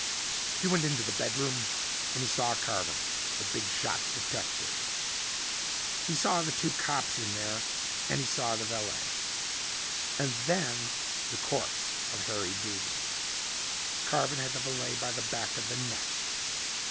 He went into the bedroom and he saw Carven, the big shot detective. He saw the two cops in there and he saw the valet, and then the corpse of Harry Duggin. Carven had the valet by the back of the neck.